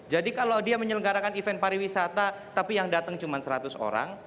jadi kalau dia menyelenggarakan event pariwisata tapi yang datang cuma seratus orang